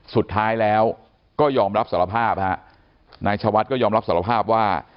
สุดท้ายแล้วก็ยอมรับสารภาพฮะนายชวัดก็ยอมรับสารภาพว่า